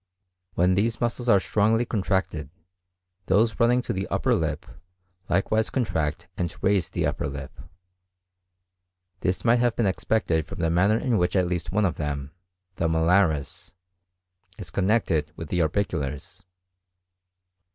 When these muscles are strongly contracted, those running to the upper lip likewise contract and raise the upper lip. This might have been expected from the manner in which at least one of them, the malaris, is connected with the orbiculars.